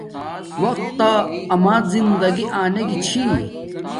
وقت تا اما زندگی آنے گی چھی